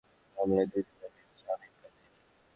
সর্বশেষ পল্টন থানার নাশকতা মামলায় দুই দিন আগে জামিন পান তিনি।